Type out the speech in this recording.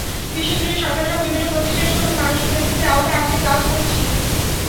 বিশ্বজুড়ে সরকারসহ বিভিন্ন প্রতিষ্ঠানের সঙ্গে মানুষকে ফেসবুকের আওতায় আনতে কাজ করছি।